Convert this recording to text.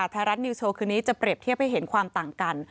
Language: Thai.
ไทยรัฐนิวโชว์คืนนี้จะเปรียบเทียบให้เห็นความต่างกัน